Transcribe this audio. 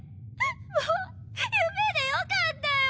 もう夢でよかったよ。